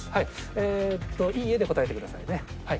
えっと「いいえ」で答えてくださいね。